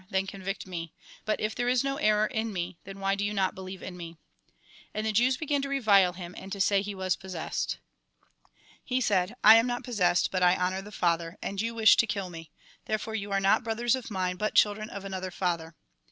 48. then convict nie ; but if there is no error in me, then why do you not believe in me ?" And the Jewa began to revile him, and to say he was possessed. He said :" I am not possessed ; but I honour the Father, and you wish to kill me ; therefore you are not brothers of mine, but children of another father.